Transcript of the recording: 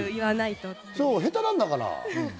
下手なんだから！